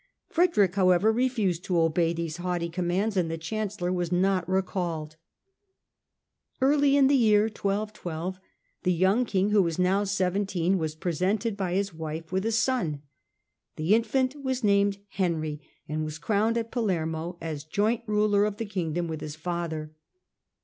Frederick, however, refused to obey these haughty commands, and the Chancellor was not recalled. Early in the year 1212 the young King, who was now seventeen, was presented by his wife with a son. The infant was named Henry and was crowned at Palermo as joint ruler of the Kingdom with his father.